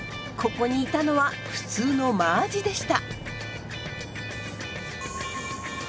ここにいたのは普通のマアジでした。